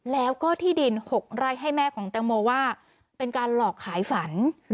แล้วก็ที่ดิน๖ไร่ให้แม่ของแตงโมว่าเป็นการหลอกขายฝัน